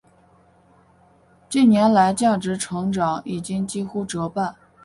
近年来价值成长已经几乎折半。